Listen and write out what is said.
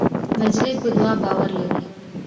نجلۍ په دعا باور لري.